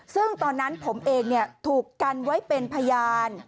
ซึ่งตอนนั้นผมเองถูกกันไว้เป็นพยาน